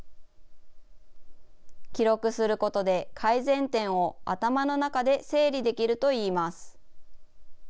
記録することで、改善点を頭の中で整理できるといいます。